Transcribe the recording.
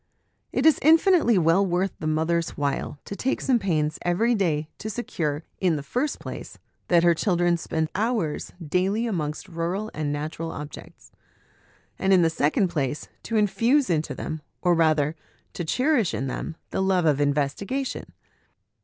It is infinitely well worth the mother's while to take some pains every day to secure, in the first place, that her children spend hours daily amongst rural and natural objects ; and, in the second place, to infuse into them, or rather, to cherish in them, the love of investigation.